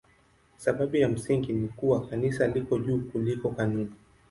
Sababu ya msingi ni kuwa Kanisa liko juu kuliko kanuni.